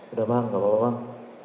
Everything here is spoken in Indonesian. udah bang gak apa apa bang